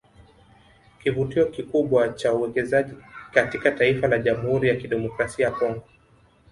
Kivutio kikubwa cha uwekezaji katika taifa la Jamhuri ya kidemokrasia ya Congo